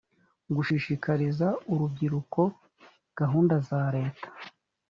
gushishikariza urubyiruko gahunda za leta